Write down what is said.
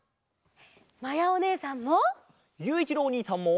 まやおねえさんも！